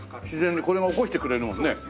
自然にこれが起こしてくれるもんね。